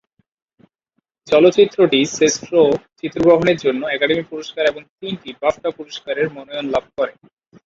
চলচ্চিত্রটি শ্রেষ্ঠ চিত্রগ্রহণের জন্য একাডেমি পুরস্কার এবং তিনটি বাফটা পুরস্কার এর মনোনয়ন লাভ করে।